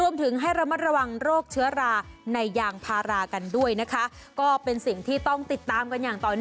ไปในอย่างพารากันด้วยนะคะก็เป็นสิ่งที่ต้องติดตามกันอย่างต่อเนื่อง